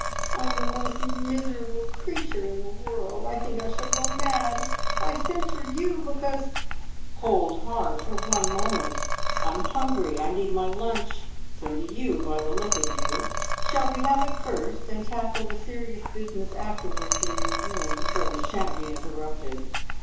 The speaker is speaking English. I'm the most miserable creature in the world. I think I shall go mad. I sent for you because " "Hold hard for one moment! I'm hungry! I need my lunch! So do you, by the look of you. Shall we have it first, and tackle the serious business afterwards in your room, where we shan't be interrupted.